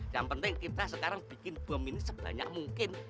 yang penting kita sekarang bikin bom ini sebanyak mungkin